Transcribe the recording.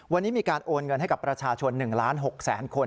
วันนี้มีการโอนเงินให้กับประชาชน๑ล้าน๖แสนคน